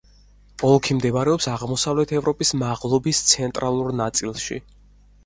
ოლქი მდებარეობს აღმოსავლეთ ევროპის მაღლობის ცენტრალურ ნაწილში.